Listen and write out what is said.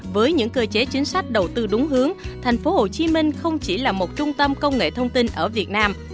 với những cơ chế chính sách đầu tư đúng hướng thành phố hồ chí minh không chỉ là một trung tâm công nghệ thông tin ở việt nam